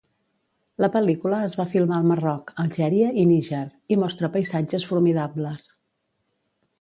La pel·lícula es va filmar al Marroc, Algèria i Níger, i mostra paisatges formidables.